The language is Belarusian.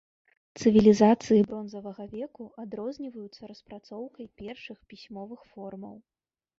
Цывілізацыі бронзавага веку адрозніваюцца распрацоўкай першых пісьмовых формаў.